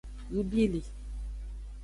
Yubili.